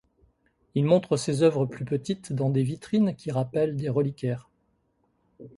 Il montre ses œuvres plus petites dans des vitrines qui rappellent des reliquaires.